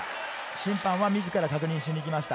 審判は自ら確認に行きました。